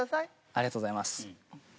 ありがとうございます。